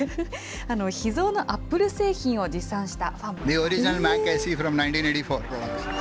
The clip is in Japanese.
秘蔵のアップル製品を持参したファンも。